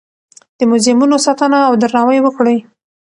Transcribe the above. د موزیمونو ساتنه او درناوی وکړئ.